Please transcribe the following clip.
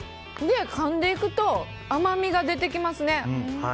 かんでいくと甘みが出てきますね。